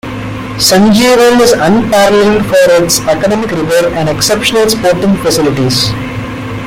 Sanjeewan is unparalleled for its academic rigor and exceptional sporting facilities.